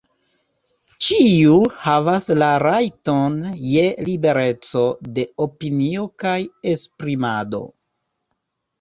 Ĉiu havas la rajton je libereco de opinio kaj esprimado.